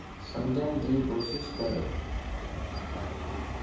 سمجھڙجي ڪوشش ڪر